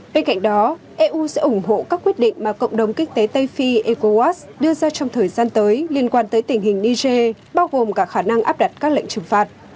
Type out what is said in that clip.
bên cạnh đó eu sẽ ủng hộ các quyết định mà cộng đồng kinh tế tây phi ecowas đưa ra trong thời gian tới liên quan tới tình hình niger bao gồm cả khả năng áp đặt các lệnh trừng phạt